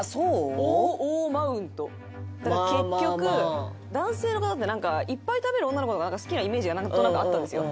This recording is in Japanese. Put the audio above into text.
結局男性の方ってなんかいっぱい食べる女の子の事が好きなイメージがなんとなくあったんですよ。